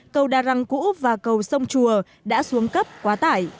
cầu đa răng cũ và cầu sông chùa đã xuống cấp quá tải